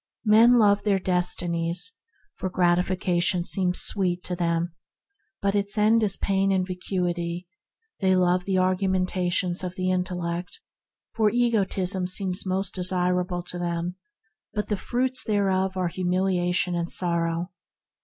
Men love their desires, for gratification seems sweet to them, but its end is pain and vacuity; they love the argumentations of the intellect, for egotism seems most desirable to them, but the fruits thereof are humiliation and sorrow.